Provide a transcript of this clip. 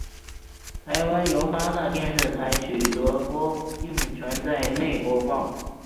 台湾由八大电视台取得播映权在内播放。